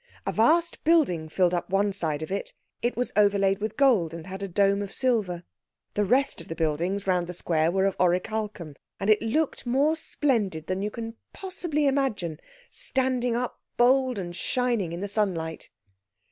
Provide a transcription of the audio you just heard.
A vast building filled up one side of it; it was overlaid with gold, and had a dome of silver. The rest of the buildings round the square were of oricalchum. And it looked more splendid than you can possibly imagine, standing up bold and shining in the sunlight.